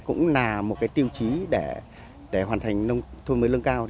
cũng là một cái tiêu chí để hoàn thành nông thôn mới lương cao